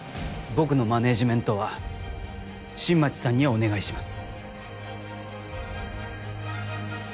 僕のマネージメントは新町さんにお願いします